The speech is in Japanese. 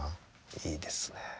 いいですね。